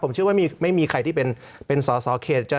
ผมเชื่อว่าไม่มีใครที่เป็นสอสอเขต